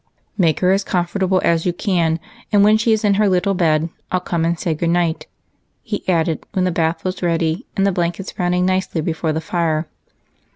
"Make her as comfortable as you can, and when she is in her little bed I '11 come and say good night," he added, when the bath was ready and the blankets browning nicely before the fire.